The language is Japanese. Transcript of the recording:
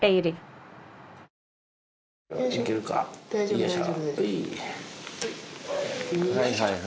よいしょ。